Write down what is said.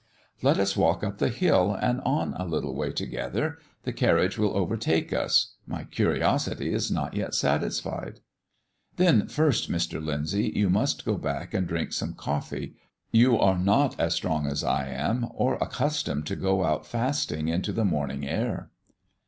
"Let us walk up the hill and on a little way together. The carriage will overtake us. My curiosity is not yet satisfied." "Then first, Mr. Lyndsay, you must go back and drink some coffee; you are not strong as I am, or accustomed to go out fasting into the morning air."